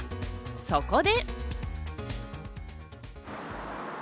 そこで。